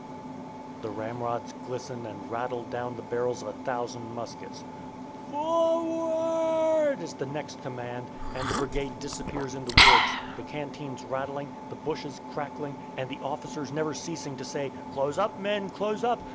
The ramrods glisten and rattle down the barrels of a thousand muskets. "F o o o o r r r r w a a a r r r d!" is the next command, and the brigade disappears in the woods, the canteens rattling, the bushes crackling, and the officers never ceasing to say, "Close up, men; close up!